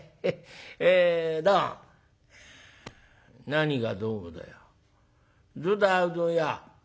「何がどうもだよ。どうだうどん屋